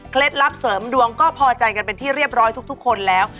ลับเสริมดวงก็พอใจกันเป็นที่เรียบร้อยทุกคนแล้ว